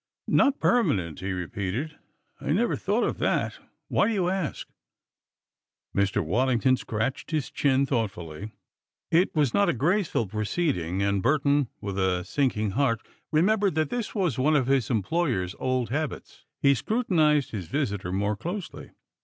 "Not permanent?" he repeated. "I never thought of that. Why do you ask?" Mr. Waddington scratched his chin thoughtfully. It was not a graceful proceeding, and Burton, with a sinking heart, remembered that this was one of his employer's old habits. He scrutinized his visitor more closely.